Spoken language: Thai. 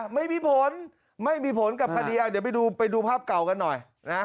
ไม่มีผลไม่มีผลกับคดีเดี๋ยวไปดูภาพเก่ากันหน่อยนะ